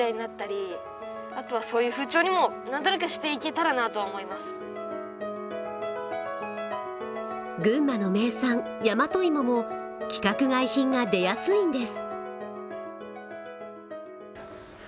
その理由は群馬の名産、やまといもも規格外品が出やすいんです。